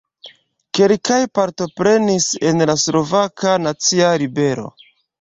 Kelkaj partoprenis en la Slovaka Nacia Ribelo.